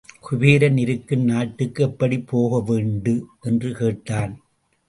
குபேரன் இருக்கும் நாட்டுக்கு எப்படிப் போக வேண்டு? என்று கேட்டான்.